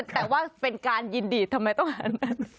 แต่ว่าเป็นการยินดีทำไมต้องหัน